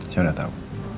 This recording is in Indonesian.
saya udah tau